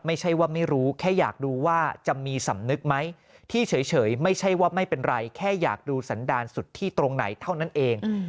ไม่ใช่ว่าไม่รู้แค่อยากดูว่าจะมีสำนึกไหมที่เฉยไม่ใช่ว่าไม่เป็นไรแค่อยากดูสันดาลสุดที่ตรงไหนเท่านั้นเอง